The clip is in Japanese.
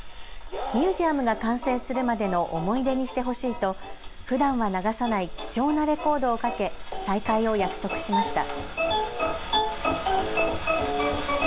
ミュージアムが完成するまでの思い出にしてほしいとふだんは流さない貴重なレコードをかけ再会を約束しました。